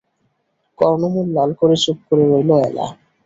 কর্ণমূল লাল করে চুপ করে রইল এলা।